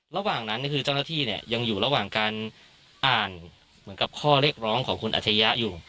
ระหว่างนั้นคือเจ้าหน้าที่เนี่ยยังอยู่ระหว่างการอ่านเหมือนกับข้อเรียกร้องของคุณอัชริยะอยู่